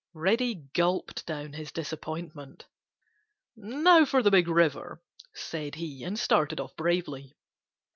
Reddy gulped down his disappointment. "Now for the Big River," said he, and started off bravely.